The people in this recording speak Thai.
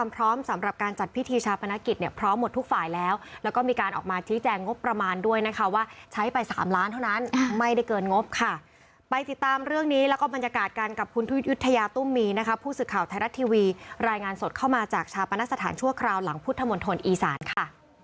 ไปติดตามเรื่องนี้แล้วก็บรรยากาศกันกับคุณยุทยาตุ้มมีผู้สื่อข่าวไทยรัตน์ทีวีรายงานสดเข้ามาจากชาปนาสถานชั่วคราวหลังพุทธมนต์ธนอีสานค่ะ